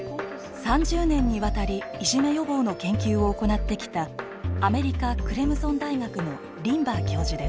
３０年にわたりいじめ予防の研究を行ってきたアメリカクレムゾン大学のリンバー教授です。